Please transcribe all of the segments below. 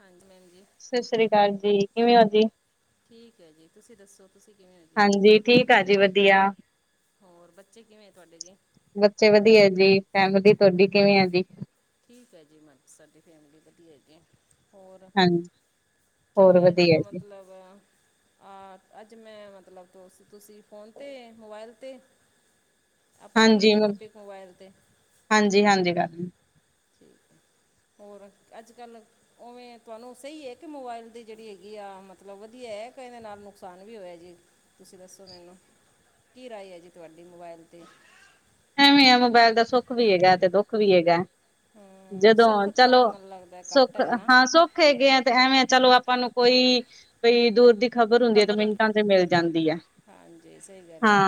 ਹਾਂਜੀ ਮੈਮਜੀ। ਸਸਸ੍ਰੀਕਾਲ ਜੀ ਕਿਵੇਂ ਓ ਜੀ? ਠੀਕ ਐ ਜੀ ਤੁਸੀਂ ਦੱਸੋ? ਤੁਸੀਂ ਕਿਵੇਂ ਆਏ। ਹਾਂਜੀ ਠੀਕ ਆ ਜੀ ਵਧੀਆ ਹੋਰ ਬੱਚੇ ਕਿਵੇਂ ਤੁਹਾਡੇ ਜੀ। ਬੱਚੇ ਵਧੀਆ ਜੀ ਫੈਮਲੀ ਤੁਹਾਡੀ ਕਿਵੇਂ ਆ ਜੀ। ਠੀਕ ਹੈ ਜੀ ਮ ਸਾਡੀ ਫੈਮਿਲੀ ਵਧੀਆ ਹੈਗੀ। ਹੋਰ ਹਾਂਜੀ ਹੋਰ ਕਿਵੇਂ ਅੱਜ ਵਧੀਆ ਜੀ, ਮਤਲਬ ਆਹ ਅੱਜ ਮੈਂ ਮਤਲਬ ਤੁਸੀਂ ਫੋਨ ਤੇ ਮੋਬਾਇਲ ਤੇ ਆਪਾਂ ਕਰੀਏ ਜੀ ਟੋਪਿਕ ਮੋਬਾਇਲ ਤੇ ਹਾਂਜੀ-ਹਾਂਜੀ ਕਰ ਲੋ। ਹੋਰ ਅੱਜ ਕੱਲ੍ਹ ਉਵੇਂ ਤੁਹਾਨੂੰ ਸਈ ਹੈ ਕਿ ਮੋਬਾਇਲ ਦੀ ਜੇੜੀ ਹੈਗੀ ਆ ਮਤਲਬ ਵਧੀਆ ਹੈ ਕ ਇਹਦੇ ਨਾਲ ਨੁਕਸਾਨ ਵੀ ਹੋਇਆ ਜੇ। ਤੁਸੀਂ ਦੱਸੋ ਮੈਨੂੰ ਕੀ ਰਾਏ ਹੈ ਜੀ ਤੁਹਾਡੀ ਮੋਬਾਇਲ ਤੇ ਐਵੇਂ ਆ ਮੋਬਾਇਲ ਦਾ ਸੁੱਖ ਵੀ ਹੈਗਾ ਤੇ ਦੁੱਖ ਵੀ ਹੈਗਾ। ਹਮ ਜਦੋਂ ਸੁੱਖ ਚਲੋ ਤਾਂ ਮੈਨੂੰ ਲੱਗਦਾ ਘੱਟ ਸੁੱਖ ਹੈ ਨਾ ਹਾਂ ਸੁੱਖ ਇਥੇ ਆਗੇ ਤੇ ਐਵੇਂ ਚਲੋ ਆਪਾਂ ਨੂੰ ਕੋਈ ਬਈ ਦੂਰ ਦੀ ਖਬਰ ਹੁੰਦੀ ਹੈ ਤੇ ਮਿੰਟਾਂ 'ਚ ਮਿਲ ਜਾਂਦੀ ਆ। ਹਾਂਜੀ ਸਈ ਗੱਲ ਹੈ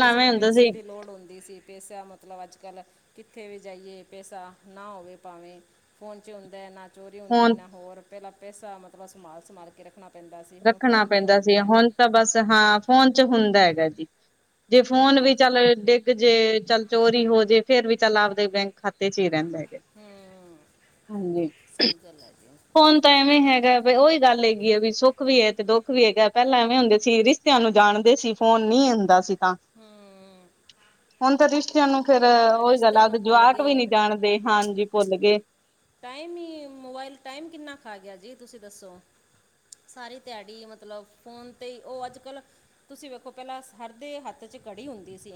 ਕਿਸੇ ਐਵੇਂ ਨੂੰ ਹੁੰਦਾ ਪੈਸੇ ਸੀ ਦੀ ਲੋੜ ਹੁੰਦੀ ਸੀ ਪੈਸਿਆਂ ਮ ਮਤਲਬ ਅੱਜ ਕੱਲ੍ਹ ਕਿੱਥੇ ਵੀ ਜਾਈਏ ਪੈਸਾ ਨਾ ਹੋਵੇ ਭਾਵੇਂ ਫੋਨ 'ਚ ਹੁੰਦਾ ਨਾ। ਚੋਰੀ ਹੁੰਦੀ ਫੋਨ ਨਾ ਹੋਰ ਪੈਲਾਂ ਪੈਸਾ ਮਤਲਬ ਸੰਭਾਲ-ਸੰਭਾਲ ਕੇ ਰੱਖਣਾ ਪੈਂਦਾ ਸੀ ਹੁਣ ਰੱਖਣਾ ਫੋਨ 'ਤੇ ਪੈਂਦਾ ਹੁੰਦਾ ਸੀ ਹੈ ਹੁਣ ਤਾਂ ਬਸ ਹਾਂ ਫੋਨ 'ਚ ਹੁੰਦਾ ਹੈਗਾ ਜੀ ਜੇ ਫੋਨ ਹੂੰ ਵੀ ਚੱਲ ਦੇਖ ਜੇ ਚੱਲ ਚੋਰੀ ਹੋ ਜੇ ਫਿਰ ਵੀ ਚੱਲ ਆਪਦੇ ਬੈਂਕ ਖਾਤੇ 'ਚ ਹੀ ਰੈਂਦੇ ਹੈਗੇ। ਹੂੰ ਸਈ ਗੱਲ ਏ ਜੀ। ਹੁਣ ਤਾਂ ਐਵੇਂ ਹੈਗਾ ਬ ਉਹੀ ਗੱਲ ਹੈਗੀ ਹੈ ਵੀ ਸੁੱਖ ਵੀ ਹੈ ਤੇ ਦੁੱਖ ਵੀ ਹੈਗਾ ਪੈਲਾਂ ਐਵੇਂ ਹੁੰਦੇ ਸੀ। ਤੁਾਨੂੰ ਜਾਣਦੇ ਸੀ ਫੋਨ ਨਈ ਹੁੰਦਾ ਸੀ ਤਾਂ ਹੂੰ ਹੁਣ ਤਾਂ ਰਿਸ਼ਤਿਆਂ ਨੂੰ ਫਿਰ ਹੂੰ ਓਹੀ ਗੱਲ ਰਿਸ਼ਤੇ ਨੂੰ ਭੁੱਲ ਜਵਾਕ ਵੀ ਗਏ ਨੀ ਜਾਣਦੇ ਹਾਂਜੀ ਭੁੱਲ ਗਏ। ਟਾਈਮ ਈ ਮੋਬਾਇਲ ਟਾਈਮ ਕਿੰਨਾ ਖਾ ਗਿਆ ਜੀ ਤੁਸੀਂ ਦੱਸੋ। ਸਾਰੀ ਦਿਹਾੜੀ ਮਤਲਬ ਫੋਨ ਤੇ ਓ ਅੱਜ ਕੱਲ੍ਹ ਤੁਸੀਂ ਵੇਖੋ ਪੈਲਾਂ ਸਰਦੇ ਹੱਥ 'ਚ ਘੜੀ ਹੁੰਦੀ ਸੀ।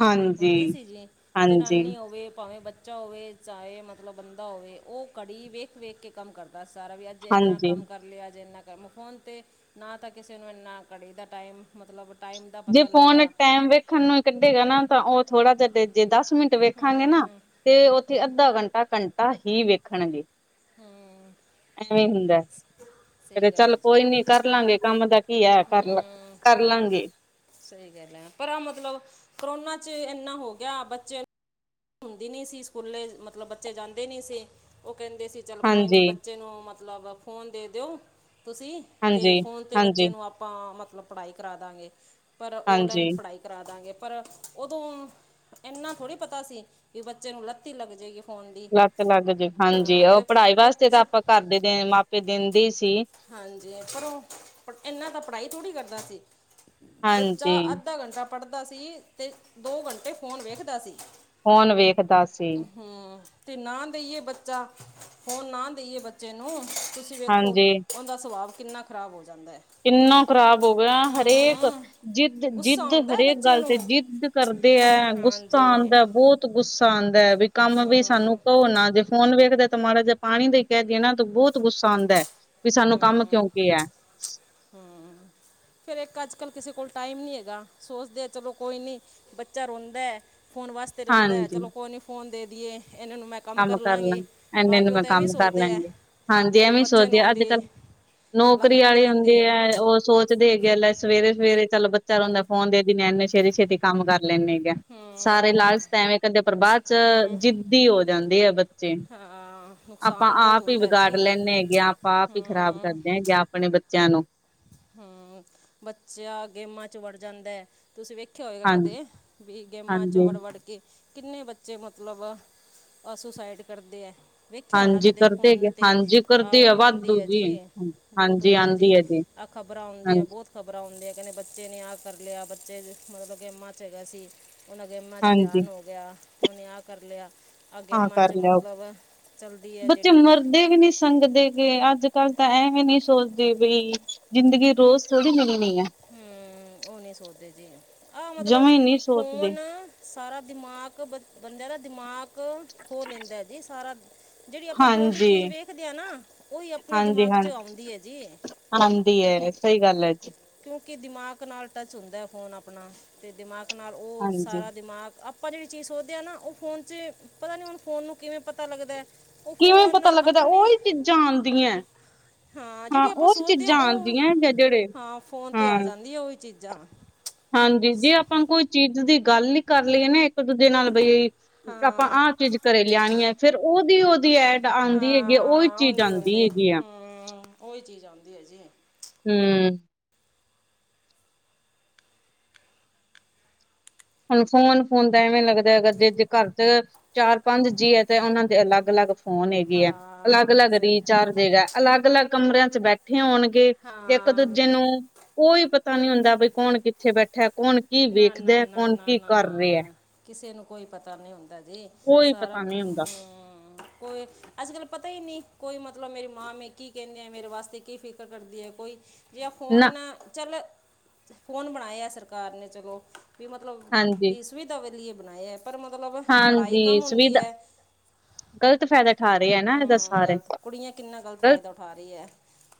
ਹਾਂਜੀ, ਹੁੰਦੀ ਸੀ ਜੀ ਹਾਂਜੀ, ਜਨਾਨੀ ਹੋਵੇ ਭਾਵੇਂ ਬੱਚ ਬੱਚਾ ਹੋਵੇ ਚਾਹੇ ਮਤਲਬ ਬੰਦਾ ਹੋਵੇ ਓ ਘੜੀ ਵੇਖ-ਵੇਖ ਕੇ ਕੰਮ ਕਰਦਾ ਸਾਰਾ ਵੀ ਅੱਜ ਜੇ ਇੰਨਾ ਹਾਂਜੀ। ਕੰਮ ਕਰ ਲਿਆ ਜੇ ਇੰਨਾ ਕਰ ਮੈਂ ਫੋਨ 'ਤੇ ਨਾ ਤਾਂ ਕਿਸੇ ਨੂੰ ਇੰਨਾ ਘੜੀ ਦਾ ਟਾਈਮ ਮਤਲਬ ਟਾਈਮ ਦਾ ਜੇ ਪਤਾ ਫੋਨ ਲੱਗਦਾ ਟੈਮ ਵੇਖਣ ਨੂੰ ਕੱਢੇਗਾ ਨਾ ਤਾਂ ਓ ਥੋੜਾ ਜਿਹਾ ਜੇ ਦੱਸ ਮਿੰਟ ਵੇਖਾਂਗੇ ਨਾ ਹੂੰ ਤੇ ਉੱਥੇ ਅੱਧਾ ਘੰਟਾ ਘੰਟਾ ਹੀ ਵੇਖਣਗੇ। ਹੂੰ ਐਵੇਂ ਹੁੰਦਾ। ਸਈ ਕਦੇ ਗੱਲ ਚੱਲ ਹੈ ਜੀ। ਕੋਈ ਨੀ ਕਰ ਲਾਂਗੇ ਕੰਮ ਦਾ ਕੀ ਹੈ ਕਰ-ਕਰ ਲਾਂਗੇ। ਸਈ ਗੱਲ ਹੈ ਪਰ ਮਤਲਬ ਕਰੋਨਾ 'ਚ ਇੰਨਾ ਹੋ ਗਿਆ ਬੱਚੇ ਹੁੰਦੀ ਨੀ ਸੀ ਸਕੂਲੇ ਮਤਲਬ ਬੱਚੇ ਜਾਂਦੇ ਨੀ ਸੀ ਓ ਕੈਂਦੇ ਸੀ ਚੱਲ ਕੋਈ ਨੀ ਹਾਂਜੀ ਬੱਚੇ ਨੂੰ ਮਤਲਬ ਫੋਨ ਦੇ ਦਿਓ ਤੁਸੀਂ ਤੇ ਹਾਂਜੀ ਫੋਨ ਤੇ ਹਾਂਜੀ ਬੱਚੇ ਨੂੰ ਆਪ ਆਪਾਂ ਮਤਲਬ ਪੜ੍ਹਾਈ ਕਰਾ ਦਾਂਗੇ ਪਰ ਓਨਲਾਈਨ ਹਾਂਜੀ ਪੜ੍ਹਾਈ ਕਰਾ ਦਾਂਗੇ ਪਰ ਉਦੋਂ ਇੰਨਾ ਥੋੜ੍ਹੀ ਪਤਾ ਸੀ ਵੀ ਬੱਚੇ ਨੂੰ ਲੱਤ ਈ ਲੱਗ ਜਾਏਗੀ। ਫੋਨ ਦੀ ਲਤ ਲੱਗ ਜਾਏ ਹਾਂਜੀ ਹਾਂ ਓ ਤੇ ਪੜ੍ਹਾਈ ਵਾਸਤੇ ਤਾਂ ਬੱਚ ਆਪਾਂ ਘਰ ਦੇ ਮਾਪੇ ਕੈਂਦੇ ਸੀ। ਹਾਂਜੀ ਪਰ ਓ ਇਨਾਂ ਤਾਂ ਪੜ੍ਹਾਈ ਥੋੜ੍ਹੀ ਕਰਦਾ ਸੀ। ਬੱਚਾ ਹਾਂਜੀ ਅੱਧਾ ਘੰਟਾ ਪੜ੍ਹਦਾ ਸੀ ਤੇ ਦੋ ਘੰਟੇ ਫ਼ੋਨ ਵੇਖਦਾ ਸੀ। ਫੋਨ ਵੇਖਦਾ ਸੀ। ਹਮ ਤੇ ਨਾ ਦੇਈਏ ਬੱਚਾ ਫੋਣ ਨਾ ਦੇਈਏ ਬੱਚੇ ਨੂੰ ਤੁਸੀਂ ਵੇਖੋ ਹਾਂਜੀ ਉਹਦਾ ਸੁਭਾਵ ਕਿੰਨਾ ਖ਼ਰਾਬ ਹੋ ਜਾਂਦਾ। ਕਿੰਨਾ ਖ਼ਰਾਬ ਹੋ ਗਿਆ ਹਰੇਕ ਹੂੰ ਗੁੱਸਾ ਜਿੱਦ-ਜਿੱਦ ਆਉਂਦਾ ਹੈ ਹਰੇਕ ਬੱਚੇ ਗੱਲ ਨੂੰ ਤੇ ਜਿੱਦ ਕਰਦੇ ਹੈ ਗੁੱਸਾ ਹਾਂਜੀ ਆਉਂਦਾ ਬੌਤ। ਗੁੱਸਾ ਆਦਾ ਵੀ ਕੰਮ ਵੀ ਸਾਨੂੰ ਹੂੰ ਕਵੋ ਨਾ ਜੇ ਫੋਨ ਵੇਖਦਾ ਤਾਂ ਮਾੜਾ ਜਿ ਪਾਣੀ ਵੀ ਕਹਿ ਦੀਏ ਨਾ ਤਾਂ ਬੌਤ ਗੁੱਸਾ ਆਦਾ। ਵੀ ਸਾਨੂੰ ਕੰਮ ਕਿਓਂ ਕਿਹਾ। ਹੂੰ ਫੇਰ ਇੱਕ ਅੱਜ ਕੱਲ੍ਹ ਕਿਸੇ ਕੋਲ ਟਾਈਮ ਨੀ ਹੈਗਾ ਸੋਚਦੇ ਚਲੋ ਕੋਈ ਨੀ ਬੱਚਾ ਰੋਂਦਾ ਹੈ ਫੋਨ ਵਾਸ ਤੇ ਰੋਂਦਾ ਹਾਂਜੀ ਚਲੋ ਕੋਈ ਨੀ ਫੋਨ ਦੇ ਦੀਏ ਇਹਨਾਂ ਨੂੰ ਮੈਂ ਕੰਮ ਕਰ ਲਾਂਗੀ ਲਾਂਗੇ ਐਨੇ ਨੂੰ ਮਾਪਿਓ ਮੈਂ ਤਾਂ ਐਵੇਂ ਕੰਮ ਕਰ ਸੋਚਦੇ ਆ ਲੈਗੀ ਹਾਂਜੀ ਫਿਰ ਉਹ ਐਵੇਂ ਬੱਚੇ ਨੂੰ ਸੋਚਿਆ ਅ ਅੱਜ ਉਹਦੀ ਕੱਲ ਲੱਤ ਨੌਕਰੀ ਲੱਗ ਵਾਲੇ ਜਾਂਦੀ ਹੁੰਦੇ ਹੈ ਉਹ ਸੋਚ ਦੇ ਗਿਆ ਲੈ ਸਵੇਰੇ-ਸਵੇਰੇ ਚਲ ਬੱਚਾ ਰੋਂਦਾ ਫੋਨ ਦੇ ਦਿੰਨੇ ਆ ਐਨੇ ਸਵੇਰੇ ਛੇਤੀ ਕੰਮ ਕਰ ਲੈਨੇ। ਸਾਰੇ ਹੂੰ ਲਾਲਚ ਤਾ ਐਵੇਂ ਕਹਦੇ ਪਰ ਬਾਦ ਚ ਹੂੰ ਜਿੱਦੀ ਹੋ ਜਾਂਦੇ ਆ ਬ ਹਾਂ ਆਪਾਂ ਨੁਕਸਾਨ ਬਹੁਤ ਆਪ ਹੀ ਹੁੰਦਾ ਹੈ ਜੀ ਵਿਗਾੜ ਲੈਨੇ ਹੈਗੇ ਆ ਆਪਾਂ ਆਪ ਹੀ ਖ਼ਰਾਬ ਹੂੰ ਕਰਦੇ ਹੈਗੇ ਆ। ਆਪਣੇ ਬੱਚਿਆਂ ਨੂੰ। ਹਾਂ ਬੱਚਾ ਗੇਮਾਂ ਚ ਵੜ ਜਾਂਦਾ। ਤੁਸੀਂ ਵੇਖਿਆ ਹੋਏਗਾ ਹਾਂਜੀ ਕਦੇ ਵੀ ਗੇਮਾਂ ਚੋਂ ਹਾਂਜੀ ਵੜ-ਵੜ ਕੇ ਕਿੰਨੇ ਬੱਚੇ ਮਤਲਬ ਅ ਸੁਸਾਈਡ ਕਰਦੇ ਹੈ। ਵੇਖਿਆ ਹੋਣਾ ਹਾਂਜੀ ਕਦੇ ਕਰਦੇ ਫੋਨ ਹੈਗੇ ਤੇ ਹਾਂਜੀ ਆ ਕਰਦੇ ਆਉਂਦੀ ਵਾਧੂ ਹੈ ਜੀ ਬੋਹਤ ਹਾਂਜੀ ਹੁੰਦਾ ਜੀ। ਆਂਦੀ ਹੈ ਆ ਖਬਰਾਂ ਆਂਦੀਆਂ ਹਾਂਜੀ ਬਹੁਤ ਖ਼ਬਰਾ ਆਉਂਦੀਆ ਕਹਦੇ ਬੱਚੇ ਨੇ ਆਹ ਕਰ ਲਿਆ ਬੱਚੇ ਮਤਲਬ ਗੇਮਾ ਚ ਹੈਗਾ ਸੀ। ਉਹਨਾਂ ਗੇਮਾਂ ਚ ਹਾਂਜੀ ਦਿਆਨ ਹੋ ਗਿਆ ਉਹਨੇ ਆਹ ਕਰ ਲਿਆ। ਅ ਹਾਂ ਗੇੇਮਾਂ ਚ ਕਰ ਮਤਲਬ ਚੱਲਦੀ ਹੈ ਜਿਹੜੀ। ਦੇ ਵੀ ਨੀ ਸੰਗਦੇ ਗੇ ਅੱਜ ਕੱਲ ਤਾਂ ਐਂ ਵੀ ਨੀ ਸੋਚਦੇ ਬਈ ਜ਼ਿੰਦਗੀ ਰੋਜ਼ ਥੋੜੀ ਮਿਲਨੀ ਹੈ। ਹੂੰ ਉਹ ਨੀ ਸੋਚਦੇ ਜੀ, ਆਹ ਮਤਲਬ ਜਮੇ ਨਹੀਂ ਸੋਚਦੇ ਫੋਨ ਸਾਰਾ ਦਿਮਾਕ ਬ ਬੰਦਿਆਂ ਦਾ ਦਿਮਾਕ ਖੋਹ ਲੈਂਦਾ ਜੀ ਸਾਰਾ ਜਿਹੜੀ ਆਪਾਂ ਫੋਨ ਚ ਹਾਂਜੀ ਚੀਜ਼ ਵੇਖਦੇ ਹਾਂ ਨਾ ਉਹੀ ਆਪਣੇ ਦਿਮਾਗ ਚ ਆਉਂਦੀ ਹੈ ਜੀ। ਆਦੀ ਹੈ ਸਹੀ ਗੱਲ ਹੈ ਜੀ। ਕਿਉਂਕਿ ਦਿਮਾਕ ਨਾਲ ਟੱਚ ਹੁੰਦਾ ਫ਼ੋਨ ਆਪਣਾ ਤੇ ਦਿਮਾਕ ਨਾਲ ਉਹ ਹਾਂਜੀ ਸਾਰਾ ਦਿਮਾ ਆਪਾਂ ਜਿਹੜੀ ਚੀਜ਼ ਸੋਧਦੇ ਹਾਂ ਨਾ ਉਹ ਫੋਨ ਚ ਪਤਾ ਨੀ ਹੁਣ ਫੋਨ ਨੂੰ ਕਿਵੇਂ ਪਤਾ ਲੱਗਦਾ। ਉਹ ਕਿਵੇਂ ਫੋਨ ਪਤਾ ਲੱਗਦਾ ਆਪਣੇ ਉਹੀ ਚੀਜ਼ਾਂ ਆਦੀਆ। ਹਾਂ ਜਿਹੜੀ ਆਪਾਂ ਸੋਚਦੇ ਹਾਂ ਉਹ ਜਿਹੜੇ ਹਾਂ ਫੋਨ ਤੇ ਹਾਂ ਜਾਂਦੀ ਆ ਉਹੀ ਚੀਜ਼ਾ। ਹਾਂਜੀ ਜੇ ਆਪਾਂ ਕੋਈ ਚੀਜ਼ ਦੀ ਗੱਲ ਨੀ ਕਰ ਹੀ ਲਈਏ ਨਾ ਇੱਕ ਦੂਜੇ ਨਾਲ ਬਈ ਆਪਾਂ ਹਾਂ ਆਹ ਚੀਜ਼ ਘਰੇ ਲਿਆਣੀ ਹੈ ਫੇਰ ਉਹਦੀ-ਉਹਦੀ ਐਡ ਆਦੀ ਹੈਗੀ ਆ ਉਹੀ ਚੀਜ਼ ਆਉਂਦੇ ਆਦੀ ਆਉਂਦੇ ਹੈਗੀ ਆ। ਹਾਂ ਉਹੀ ਚੀਜ਼ ਆਉਂਦੀ ਹੈ ਜੀ। ਹੂੰ ਹੁਣ ਫੋਨ-ਫੂਨ ਤਾਂ ਐਵੇਂ ਲੱਗਦਾ ਗਾ ਜੇ ਘਰ ਚ ਚਾਰ ਪੰਜ ਜੀ ਹੈ ਤੇ ਉਹਨਾਂ ਦੇ ਅਲੱਗ-ਅਲੱਗ ਫੋਨ ਹੈਗੇ ਹੈ ਹਾਂ ਅਲੱਗ-ਅਲੱਗ ਸਹੀ ਰੀਚਾਰਜ ਦੇਗਾ ਅਲੱਗ-ਅਲੱਗ ਕਮਰਿਆਂ ਚ ਬੈਠੇ ਹੋਣਗੇ ਇੱਕ ਹਾਂ ਦੂਜੇ ਨੂੰ ਕੋਈ ਪਤਾ ਨੀ ਹੁੰਦਾ ਬਈ ਕੌਣ ਕਿੱਥੇ ਬੈਠਾ ਕੌਣ ਕੀ ਨਾ ਨਾ ਵੇਖਦਾ ਨਾ ਕੌਣ ਨਾ ਕੀ ਨਾ ਕਰ ਰਿਹਾ। ਕਿਸੇ ਨੂੰ ਕੋਈ ਪਤਾ ਨੀ ਹੁੰਦਾ ਜੀ ਕੋਈ ਸਾਰਾ ਪਤਾ ਕੁ, ਨਹੀਂ ਹੁੰਦਾ ਹੂੰ। ਕੋਈ ਅੱਜ ਕੱਲ ਪਤਾ ਹੀ ਨੀ ਕੋਈ ਮਤਲਬ ਮੇਰੀ ਮਾਂ ਮ ਕੀ ਕਹਿੰਦੀ ਆ ਮੇਰੇ ਵਾਸਤੇ ਕੀ ਫਿਕਰ ਕਰਦੀ ਹੈ ਕੋਈ ਜ ਫੋਨ ਨਾ ਚੱਲ ਫੋਨ ਬਣਾਇਆ ਸਰਕਾਰ ਨੇ ਚਲੋ। ਵੀ ਮਤਲਬ ਹਾਂਜੀ ਵੀਸਵੀ ਦਵੇ ਲਏ ਬਣਾਏ ਪਰ ਮਤਲਬ ਪੜ੍ਹਾਈ ਕਮ ਹੁੰਦੀ ਹੈ। ਗਲਤ ਫਾਇਦੇ ਹੂੰ ਗਲਤ ਕੁੜੀਆਂ ਕਿੰਨਾ ਗਲਤ ਫਾਇਦਾ ਉਠਾ ਰਈ ਹੈ।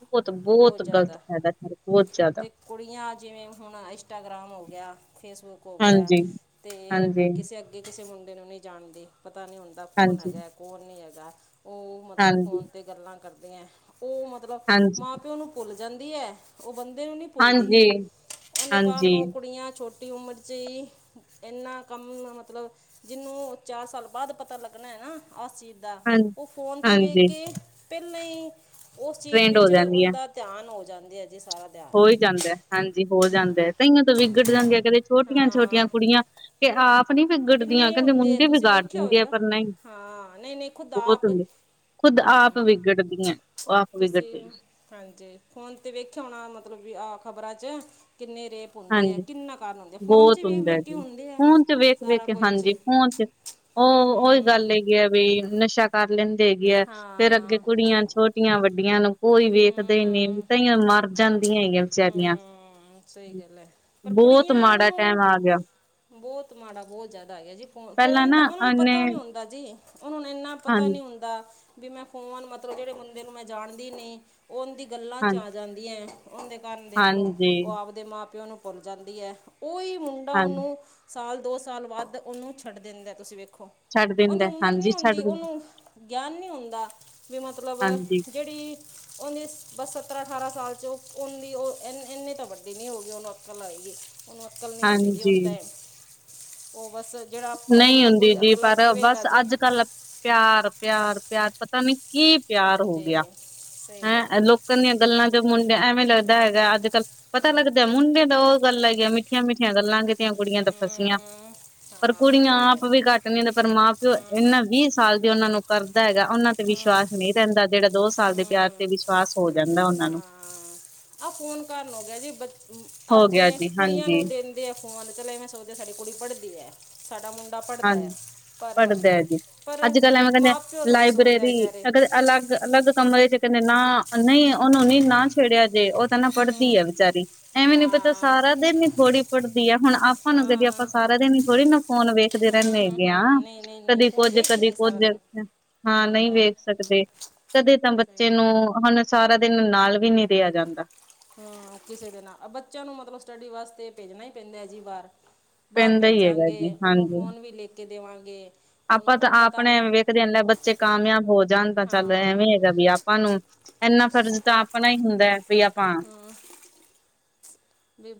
ਬਹੁਤ-ਬਹੁਤ ਬੋਤ ਗ਼ਲਤ ਜਾਦਾ ਫਾਇਦਾ ਉਠਾ ਰਹੇ, ਬਹੁਤ ਜ਼ਿਆਦਾ ਤੇ ਕੁੜੀਆਂ ਜਿਵੇਂ ਹੁਣ ਇੰਸਟਾਗ੍ਰਾਮ ਹੋ ਗਿਆ। ਫੇਸਬੁੱਕ ਹੋ ਗਿਆ ਹਾਂਜੀ-ਹਾਂਜੀ, ਤੇ ਹਾਂਜੀ-ਹਾਂਜੀ, ਕਿਸੇ ਅੱਗੇ ਕਿ ਕਿਸੇ ਮੁੰਡੇ ਨੂੰ ਨਈ ਜਾਣਦੀ ਪਤਾ ਨਈ ਹੁੰਦਾ ਕੌਣ ਹੈਗਾ ਕੌਣ ਨਈ ਹੈਗਾ। ਓ ਮਤਲਬ ਹਾਂਜੀ-ਹਾਂਜੀ, ਫੋਨ ਤੇ ਗੱਲਾਂ ਕਰਦੀਆਂ ਹੈ ਓ ਮਤਲਬ ਹਾਂਜੀ ਹਾਂਜੀ ਮਾਂ ਪਿਓ ਨੂੰ ਭੁੱਲ ਜਾਂਦੀ ਐ। ਓ ਬੰਦੇ ਨੂੰ ਨਈ ਭੁੱਲਦੀ ਹਾਂਜੀ ਉਹਦੇ ਕਾਰਨ ਹਾਂਜੀ, ਓ ਕੁੜੀਆਂ ਛੋ ਛੋਟੀ ਉਮਰ 'ਚ ਹੀ ਇੰਨਾ ਕੰਮ ਮਤਲਬ ਜਿਨੂੰ ਚਾਰ ਸਾਲ ਬਾਦ ਪਤਾ ਲੱਗਣਾ ਹੈ ਨਾ ਆ ਸ ਚੀਜ਼ ਦਾ ਹਾਂ ਓ ਫੋਨ 'ਤੇ ਵੇਖ ਹਾਂਜੀ, ਕੇ ਪੈਲਾਂ ਹੀ ਉਸ ਚੀਜ਼ ਟ੍ਰੈਂਡ ਹੋ ਵਿੱਚ ਜਾਂਦੀ ਐ। ਉਹਦਾ ਧਿਆਨ ਹੋ ਜਾਂਦੇ ਆ ਜੀ ਸਾਰਾ ਹੋ ਧਿਆਨ ਹੀ ਜਾਂਦਾ ਹਾਂਜੀ ਹੋ ਹਾਂ ਜਾਂਦਾ ਤੇਈਆਂ ਤੋਂ ਵਿਗੜ ਜਾਂਦੀਆਂ ਕਿੰਦੇ ਛੋਟੀਆਂ-ਛੋਟੀਆਂ ਹਾਂ ਕੁੜੀਆਂ ਕਿ ਆਪ ਨਈ ਵਿਗੜਦੀਆਂ ਕਿੰਨੇ ਕੈਂਦੇ ਹੁੰਦੇ ਆ ਮੁੰਡੇ ਤੁਸੀਂ ਵਿਗਾੜ ਵੇਖਿਆ ਦਿੰਦੇ ਆ ਹੋਵੇਗਾ ਪਰ ਨਈ ਹਾਂ ਨਹੀਂ ਨਹੀਂ ਖੁਦ ਬੋਤ ਆਪ ਹੁੰਦੇ। ਖੁਦ ਆਪ ਹਾਂ ਵਿਗੜਦੀ ਹੈ ਓ ਆਪ ਤੁਸੀਂ ਵਿਗੜਦੀ ਆ। ਹਾਂਜੀ ਫੋਨ ਤੇ ਵੇਖਿਆ ਹੋਣਾ ਮਤਲਬ ਵੀ ਆ ਖ਼ਬਰਾਂ 'ਚ ਕਿੰਨੇ ਰੇਪ ਹੁੰਦੇ ਆ ਹਾਂਜੀ, ਕਿੰਨਾ ਕਾਰਨ ਹੁੰਦੇ ਫੋਨ 'ਚ ਵੇਖ ਵੇਖ ਕੇ ਹੁੰਦੇ ਆ। ਵੇਖ ਸਾਰਾ ਕੇ ਕੁਝ ਹਾਂਜੀ ਫੋਨ 'ਚ ਓ ਉਹੀ ਹੂੰ ਗੱਲ ਹੈਗੀ ਆ ਵੀ ਨਸ਼ਾ ਕਰ ਲੈਂ ਦੇਗੀਆ ਫਿਰ ਅੱਗੇ ਹਾਂ ਕੁੜੀਆਂ ਛੋਟੀਆਂ ਵੱਡੀਆਂ ਨੂੰ ਕੋਈ ਵੇਖਦੇ ਹੀ ਨਈ ਹੂੰ ਤਾਂਈਆਂ ਮਰ ਜਾਂਦੀਆਂ ਹੈਗੀਆਂ। ਵਿਚਾਰੀਆਂ। ਹੂੰ ਸਈ ਗੱਲ ਹੈ ਪਰ ਬਹੁਤ ਕੁੜੀਆਂ ਮਾੜਾ ਨੂੰ ਟਾਈਮ ਆ ਗਿਆ ਬਤ ਮਾੜਾ ਬੋਤ ਜਾਦਾ ਹੈਗਾ ਜੀ ਪਹਿਲਾਂ ਫੋਨ-ਫੋਨ ਤਾਂ ਨਾ ਉਹਨਾਂ ਨੂੰ ਉਹਨੇ ਪਤਾ ਨਈ ਹੁੰਦਾ ਜੀ। ਉਹਨਾਂ ਇੰਨਾ ਪਤਾ ਹਾਂਜੀ ਨੀ ਹੁੰਦਾ ਵੀ ਮੈਂ ਫੋਨ ਮਤਲਬ ਜਿਹੜੇ ਬੰਦੇ ਨੂੰ ਮੈਂ ਜਾਣਦੀ ਨਈ। ਉਂਦੀ ਗੱਲਾਂ ਹਾਂ 'ਚ ਆ ਜਾਂਦੀਆਂ ਓ ਦੇ ਕਾਰਨ ਦੇਖ ਲਓ ਹਾਂਜੀ ਓ ਆਪਦੇ ਮਾਂ ਪਿਓ ਨੂੰ ਭੁੱਲ ਜਾਂਦੀ ਹੈ ਉਹੀ ਮੁੰਡਾ ਹਾਂ ਉਹਨੂੰ ਸਾਲ ਦੋ ਸਾਲ ਬਾਦ ਉਹਨੂੰ ਛੱਡ ਦਿੰਦਾ ਤੁਸੀਂ ਵੇਖੋ। ਛੱਡ ਉਹਦੀ ਦਿੰਦਾ ਉਮਰ ਨੀ ਹਾਂਜੀ ਆ ਛੱਡ ਦਿੰਦਾ ਉਹਨੂੰ ਗਿਆਨ ਨੀ ਹੁੰਦਾ ਵੀ ਮਤਲਬ ਹਾਂਜੀ ਜੇੜੀ ਉਨੀ ਬ ਸੱਤਰਾਂ ਅਠਾਰਾਂ ਸਾਲ 'ਚ ਓ ਉਹਦੀ ਓ ਇੰਨੀ ਤਾਂ ਵੱਡੀ ਨੀ ਹੋ ਗਈ ਉਹਨੂੰ ਅਕਲ ਆਏਗੀ। ਉਹਨੂੰ ਅਕਲ ਨਈ ਹੁੰਦੀ ਜੀ ਹਾਂਜੀ ਉਸ ਟੈਮ ਓ ਬਸ ਜੇੜਾ ਆਪਾਂ ਨਹੀਂ ਉਹਨੂੰ ਕੋਈ ਅਗਲਾ ਕਵੇਗਾ ਜੀ। ਪਿਆਰ-ਪਿਆਰ-ਪਿਆਰ ਪਤਾ ਨੀ ਕੀ ਪਿਆਰ ਹੋ ਹਾਂਜੀ ਗਿਆ ਸਹੀ ਹੈਂ ਗੱਲ ਲੋਕ ਹੈ ਲੋਕਾਂ ਦੀਆਂ ਗੱਲਾਂ ਜੋ ਮੁੰਡਿਆਂ ਐਵੇਂ ਲੱਗਦਾ ਹੈਗਾ ਅੱਜ ਕੱਲ੍ਹ ਪਤਾ ਹੂੰ ਲੱਗਦਾ ਮੁੰਡੇ ਦਾ ਗੱਲ ਆਈ ਆ ਮਿੱਠੀਆਂ-ਮਿੱਠੀਆਂ ਗੱਲਾਂ ਕੀਤੀਆਂ ਕੁੜੀਆਂ ਤਾਂ ਫਸੀਆਂ ਹੂੰ ਪਰ ਹਾਂ ਕੁੜੀਆਂ ਸਹੀ ਆਪ ਗੱਲ ਵੀ ਹੈ। ਘੱਟ ਨਈ ਪਰ ਮਾਂ ਪਿਓ ਹੂੰ ਇਹਨਾਂ ਵੀਹ ਸਾਲ ਦੀ ਉਹਨਾਂ ਨੂੰ ਕਰਦਾ ਹੈਗਾ ਉਹਨਾਂ ਤੇ ਹੂੰ ਵਿਸ਼ਵਾਸ ਨਈ ਰੈਂਦਾ ਜੇੜਾ ਦੋ ਸਾਲ ਦੇ ਪਿਆਰ ਹੂੰ ਤੇ ਵਿਸ਼ਵਾਸ ਹੋ ਜਾਂਦਾ ਉਹਨਾਂ ਨੂੰ ਹਾਂ ਆਹ ਫੋਨ ਕਾਰਨ ਹੋ ਗਿਆ ਜੀ ਬ ਆਪ ਹੋ ਗਿਆ ਜਿਵੇਂ ਜੀ ਕੁੜੀਆਂ ਹਾਂਜੀ ਨੂੰ ਦੇਣ ਦੇ ਫੋਨ ਚਲੇ ਮੈਂ ਸੋਚ ਸਾਡੀ ਕੁੜੀ ਪੜ੍ਹਦੀ ਹੈ। ਸਾਡਾ ਮੁੰਡਾ ਪੜਦਾ ਹਾਂਜੀ ਹੈ ਪਰ ਪੜ੍ਹਦਾ ਹੈ ਜੀ ਪਰ ਅੱਜ ਕੱਲ੍ਹ ਐਵੇਂ ਕਹਿੰਦੇ ਮਾਂ ਪਿਓ ਥੋੜ੍ਹੇ ਸੋਚਦੇ ਲਾਇਬ੍ਰੇਰੀ ਵਿਚਾਰੇ ਅਗਰ ਅਲੱਗ ਅਲੱਗ ਕਮਰੇ 'ਚ ਕੈਂਦੇ ਨਾ ਨਈ ਉਹਨੂੰ ਨੀ ਨਾ ਛੇੜਿਆ ਜੇ ਓ ਤਾਂ ਨਾ ਪੜ੍ਹਦੀ ਹੂੰ ਹੈ ਵਿਚਾਰੀ ਐਵੇਂ ਨੀ ਪਤਾ ਹਾਂ ਸਾਰਾ ਦਿਨ ਹੀ ਥੋੜ੍ਹੀ ਪੜ੍ਹਦੀ ਹੈ ਹੁਣ ਆਪਾਂ ਨੂੰ ਕਦੀ ਆਪਾਂ ਹਾਂ ਸਾਰਾ ਦਿਨ ਹੀ ਥੋੜ੍ਹੀ ਨਾ ਫੋਨ ਵੇ ਰੈਂਣੈ ਹੈਗੇ ਆ ਕਦੀ ਕੁੱਝ ਕਦੀ ਕੁੱਝ ਹਾਂ ਨਈ ਵੇਖ ਸਕਦੇ। ਤਦੇ ਤਾਂ ਸਹੀ ਬੱਚੇ ਨੂੰ ਹੁਣ ਸਾਰਾ ਦਿਨ ਨਾਲ ਵੀ ਨਈ ਰਿਆ ਜਾਂਦਾ। ਹਾਂ ਕਿਸੇ ਦੇ ਨਾਲ ਬੱਚਿਆਂ ਨੂੰ, ਮਤਲਬ ਸਟੱਡੀ ਵਾਸਤੇ ਭੇਜਣਾ ਹੀ ਪੈਂਦਾ ਹੈ ਜੀ ਬਾਹਰ ਬਾਹਰ ਪੈਂਦਾ ਹੀ ਹੈਗਾ ਭੇਜਾਂਗੇ, ਜੀ ਉਹਨੂੰ ਹਾਂਜੀ ਫੋਨ ਵੀ ਲੈਕੇ ਦੇਵਾਂਗੇ ਉਹਨੂੰ ਆਪਾਂ ਤਾਂ ਉਹ ਪਤਾ ਆਪਣੇ ਨਹੀਂ ਵੇਖਦੇ ਏਨੇ ਬੱਚੇ ਕਾਮਯਾਬ ਹੋ ਜਾਣ, ਤਾਂ ਚੱਲ ਹਾਂ ਐਵੇਂ ਹੈਗਾ ਵੀ ਆਪਾਂ ਨੂੰ ਇੰਨਾ ਫਰਜ਼ ਤਾਂ ਆਪਣਾ ਹੀ, ਹੁੰਦਾ ਵੀ ਆਪਾਂ ਹ [inaudible] ਵੀ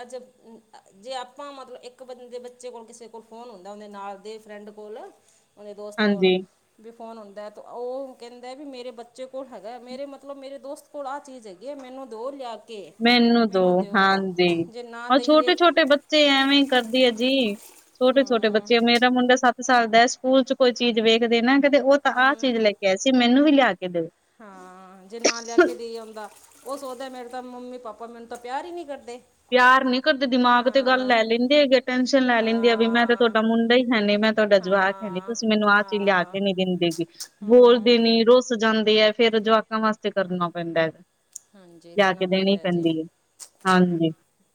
ਅੱਜ ਜੇ ਆਪਾਂ ਮਤਲਬ, ਇੱਕ ਬੰਦੇ ਬੱਚੇ ਕੋਲ ਕਿਸੇ ਕੋਲ ਫ਼ੋਨ ਹੁੰਦਾ -ਹੁੰਦੇ ਨਾਲ ਦੇ ਫ੍ਰੈਂਡ ਕੋਲ, ਆਪਣੇ ਦੋਸਤ ਕੋਲ ਹਾਂਜੀ ਵੀ ਫੋਨ ਹੁੰਦਾ ਦਾ ਤਾਂ ਉਹ ਕਹਿੰਦਾ ਵੀ, ਮੇਰੇ ਬੱਚੇ ਕੋਲ ਹੈਗਾ, ਮਰੇ ਮਤਲਬ ਮਰੇ ਦੋਸਤ ਭਲਾ ਚੀਜ਼ ਹੈਗੀ, ਆ ਮੈਨੂੰ ਦੋ ਲਿਆ ਕੇ ਮੈਨੂੰ ਦੋ ਦਿਓ ਹਾਂਜੀ, ਜੇ ਨਾ ਆ ਦਈਏ ਛੋਟੇ- ਛੋਟੇ ਬੱਚੇ ਬੱਚੇ ਐਵੇਂ ਹੀ ਕਰਦੇ ਹੈ ਜੀ, ਛੋਟੇ, -ਛੋਟੇ ਹੂੰ ਬੱਚੇ ਮੇਰਾ ਮੁੰਡਾ ਸਤ ਸਾਡੇ ਸਕੂਲ ਚ, ਕੋਈ ਚੀਜ਼ ਵੇਖਦੇ ਨਾ ਕਦੇ ਉਹ ਤਾਂ ਆਹ ਚੀਜ਼ ਲੈ ਕੇ ਆਏ ਸੀ। ਮੈਨੂੰ ਵੀ ਲਿਆ ਕੇ ਦਿਓ ਹਾਂ-ਹਾਂ ਜਿੰਨਾ ਹੈਚ ਡੀ ਆਉਂਦਾ ਉਹ ਸੋਚਦਾ, ਮੇਰੇ ਤਾਂ ਮੰਮੀ -ਪਾਪਾ ਮੈਨੂੰ ਤਾਂ ਪਿਆਰ ਹੀ ਨਹੀਂੀ ਕਰਦੇ ਪਿਆਰ ਨਹੀਂ ਕਰਦੇ, ਦਿਮਾਗ ਤੇ ਗੱਲ ਹਾਂ ਲੈ ਲੈਂਦੇ ਹੈਗੇ ਟੈਸ਼ਨ ਲੈ ਲੈਂਦੇ ਆ, ਵੀ ਮੈਂ ਤਾਂ ਹਾਂ ਤੁਹਾਡਾ ਮੁੰਡਾ ਹੈ ਨਹੀਂ ਮੈਂ ਤੁਹਾਡਾ ਜਵਾਕ ਹੈਣੀ, ਹਾਂ ਤੁਸੀਂ ਮੈਨੂੰ ਆਹ ਚੀਜ਼ ਲਿਆ ਹਾਂ ਕੇ ਨਹੀਂ ਦਿੰਦੇ ਬਈ, ਹਮ ਬੋਲਦੇ ਨ ਰੋਸ ਸਉਜਾਂਦੀ ਹੈ ਫੇਰ ਜਵਾਕਾਂ ਵਾਸਤੇ ਕਰਨਾ ਪੈਂਦਾ ਹਾਂਜੀ ਲਿਆ ਦੇਣਾ ਕੇ, ਦੇਣੀ ਪੈਂਦਾ ਜੇ ਪੈਂਦੀ ਹੈ ਹਾਂਜੀ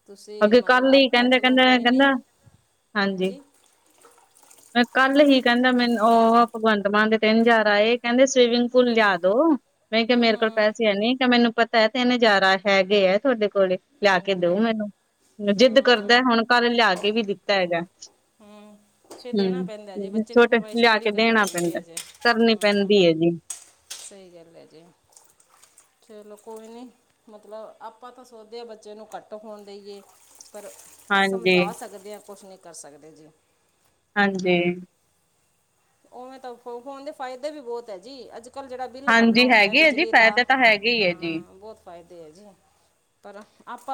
ਤੁਸੀਂ ਮਗਰ ਮਤਲਬ ਕੱਲ ਹੀ ਆਪਾਂ ਕਹਿੰਦਾ- ਚਲੋ ਕਹਿੰਦਾ ਕੋਈ ਨਹੀਂ ਕਹਿੰਦਾ, ਹਾਂਜੀ ਮੈਂ ਕੱਲ ਹੀ, ਕਹਿੰਦਾ ਮੈਨੂੰ ਉਹ ਭਗਵੰਤ ਮਾਨ ਦੇ ਤਿੰਨ ਹਜ਼ਾਰ ਆਏ, ਕਹਿੰਦੇ ਸਵੀਮਿੰਗ ਪੂਲ ਲਿਆਦੋ ਮੈਂ ਕਿਹਾ, ਹੂੰ ਮੇਰੇ ਕੋਲ ਹੂੰ ਪੈਸੇ ਆ ਨਹੀਂ, ਕ ਮੈਨੂੰ ਪਤਾ ਤਿੰਨ ਹਜ਼ਾਰ ਹੈਗੇ ਤੁਹਾਡੇ ਕੋਲ ਕੇਦਾ ਦਊ ਹਾਂਜੀ ਮੈਨੂੰ, ਜਿੱਦ ਕਰਦਾ ਹੂੰ ਹੁਣ ਕੱਲ ਲਿਆ ਕੇ ਵੀ, ਦਿੱਤਾ ਹੈਗਾ ਹੂੰ ਫਿਰ ਦੇਣਾ ਹਮ, ਪੈਂਦਾ ਜੀ ਬੱਚੇ ਦੀ ਛੋਟੇ ਫਰਮਾਇਸ਼ ਲਿਆ ਪੂਰੀ ਕੇ ਕਰਨੀ ਦੇਣਾ ਪੈਂਦੀ ਪੈਂਦਾ, ਹੈ ਜੇ ਕਰਨੀ ਪੈਂਦੀ ਹੂੰ ਪੀ ਏ ਜੀ ਸਹੀ ਗੱਲ ਹੈ ਜੀ, ਚਲੋ ਕੋਈ ਨਹੀਂ ਮਤਲਬ, ਆਪਾਂ ਤਾਂ ਸੋਚਦੇ ਬੱਚੇ ਨੂੰ ਘੱਟ ਫ਼ੋਨ ਦੇਈਏ ਪਰ ਹਾਂਜੀ ਸਮਝਾ ਸਕਦੇ ਹ ਕੁਛ ਨਈ ਕਰ ਸਕਦੇ ਜੀ ਹਾਂਜੀ। ਉਵੇਂ ਤਾਂ ਫ ਫੋਨ ਦੇ, ਫਾਇਦੇ ਵੀ ਬਹੁਤ ਹੈ ਜੀ, ਅੱਜ- ਕੱਲ੍ਹ ਜਿਹੜਾ ਬਿੱਲ ਭਰਨਾ ਹਾਂਜੀ ਹੁੰਦਾ ਹੈਗੇ ਆ ਜੀ ਬਿਜਲੀ ਦਾ, ਫਾਇਦੇ ਤਾਂ ਹੈਗੇ ਹੀ ਹਾਂ ਹੈ ਜੀ। ਬਹੁਤ ਫਾਇਦੇ ਆ ਜੀ, ਪਰ ਆਪਾਂ